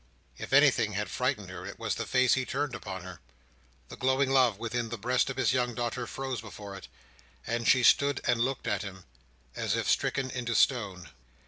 If anything had frightened her, it was the face he turned upon her. The glowing love within the breast of his young daughter froze before it, and she stood and looked at him as if stricken into stone.